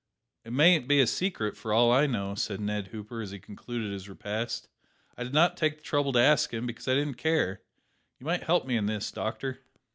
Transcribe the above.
"It mayn't be a secret, for all I know," said Ned Hooper, as he concluded his repast. "I did not take the trouble to ask him; because I didn't care. You might help me in this, doctor."